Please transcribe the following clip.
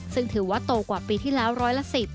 ซึ่งถือว่าโตกว่าปีที่แล้วร้อยละ๑๐